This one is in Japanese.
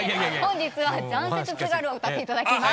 本日は「残雪・津軽」を歌って頂きます。